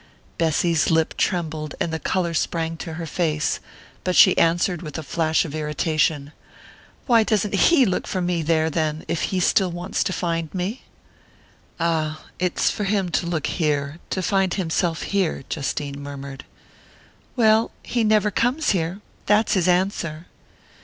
Bessy's lip trembled and the colour sprang to her face; but she answered with a flash of irritation: "Why doesn't he look for me there, then if he still wants to find me?" "Ah it's for him to look here to find himself here," Justine murmured. "Well, he never comes here! That's his answer."